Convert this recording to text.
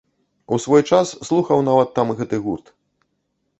У свой час слухаў нават там гэты гурт.